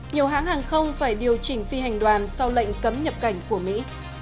nhiều hãng hàng không phải điều chỉnh phi hành đoàn sau lệnh cấm nhập cảnh của mỹ